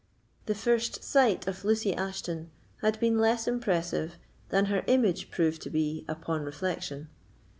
The first sight of Lucy Ashton had been less impressive than her image proved to be upon reflection.